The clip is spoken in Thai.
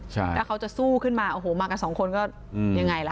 ถ้าเขาจะสู้ขึ้นมาโอ้โหมากันสองคนก็ยังไงล่ะ